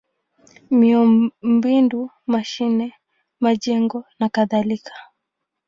miundombinu: mashine, majengo nakadhalika.